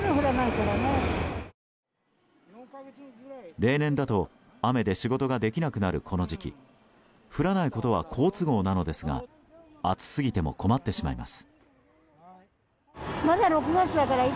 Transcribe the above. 例年だと雨で仕事ができなくなるこの時期降らないことは好都合なのですが暑すぎても困ってしまいます。